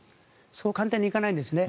そんな簡単にはいかないんですね。